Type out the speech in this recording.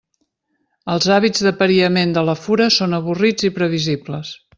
Els hàbits d'apariament de la fura són avorrits i previsibles.